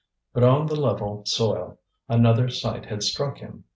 But on the level soil another sight had struck him.